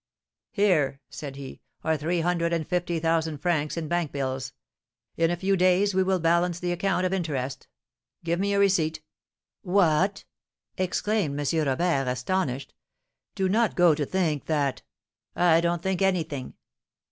"Here," said he, "are three hundred and fifty thousand francs in bank bills. In a few days we will balance the account of interest. Give me a receipt." "What!" exclaimed M. Robert, astonished; "do not go to think that " "I don't think anything."